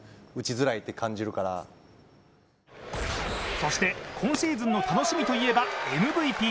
そして今シーズンの楽しみといえばＭＶＰ。